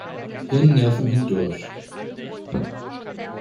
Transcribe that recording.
Hirnnerven hindurch.